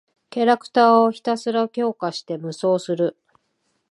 キャラクターをひたすらに強化して無双する。